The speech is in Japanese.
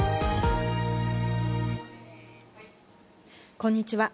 こんにちは。